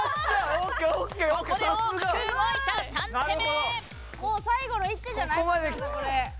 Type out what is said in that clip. もう最後の１手じゃない？